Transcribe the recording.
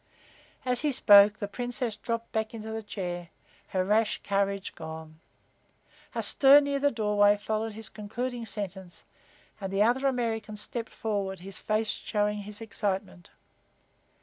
As he spoke, the Princess dropped back in the chair, her rash courage gone. A stir near the doorway followed his concluding sentence, and the other American stepped forward, his face showing his excitement.